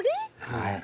はい。